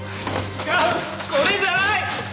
違うこれじゃない！